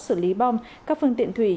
xử lý bom các phương tiện thủy